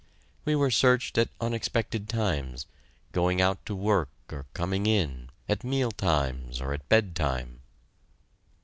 We were searched at unexpected times going out to work or coming in at meal times or at bedtime.